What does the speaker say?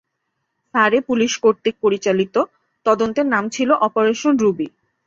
সারে পুলিশ কর্তৃক পরিচালিত, তদন্তের নাম ছিল অপারেশন রুবি।